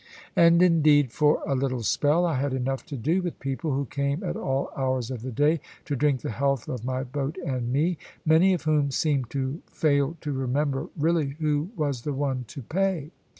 And indeed, for a little spell, I had enough to do with people, who came at all hours of the day, to drink the health of my boat and me; many of whom seemed to fail to remember really who was the one to pay.